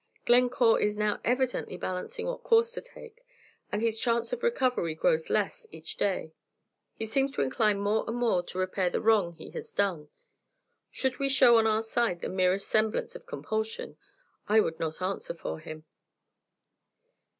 "Glencore is now evidently balancing what course to take. As his chances of recovery grow less each day, he seems to incline more and more to repair the wrong he has done. Should we show on our side the merest semblance of compulsion, I would not answer for him."